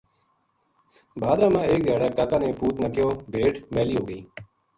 بھادرا ما ایک دھیاڑے کا کا نے پُوت نا کہیو بھیڈ میلی ہو گئی